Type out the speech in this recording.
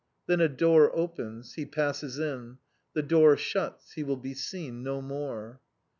Then a door opens. He passes in. The door shuts. He will be seen no more!